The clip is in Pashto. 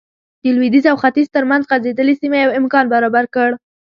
د لوېدیځ او ختیځ ترمنځ غځېدلې سیمه یو امکان برابر کړ.